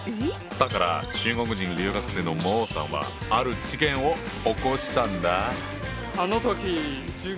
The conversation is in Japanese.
だから中国人留学生の孟さんはある事件を起こしたんだ。